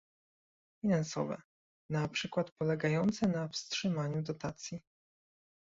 finansowe, na przykład polegające na wstrzymaniu dotacji